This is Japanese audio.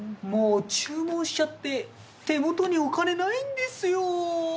もう注文しちゃって手元にお金ないんですよ。